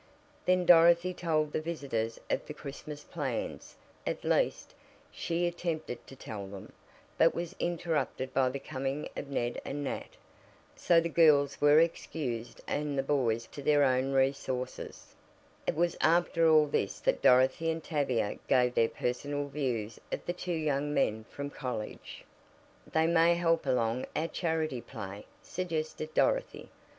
Then Dorothy told the visitors of the Christmas plans at least, she attempted to tell them, but was interrupted by the coming of Ned and Nat. So the girls were excused and the boys left to their own resources. It was after all this that Dorothy and Tavia gave their personal views of the two young men from college. "They may help along our charity play," suggested Dorothy.